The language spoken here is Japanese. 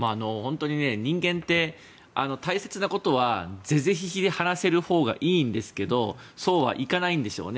人間って、大切なことは是々非々で話せるほうがいいんですがそうはいかないんでしょうね。